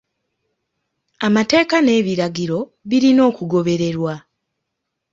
Amateeka n'ebiragiro birina okugobererwa.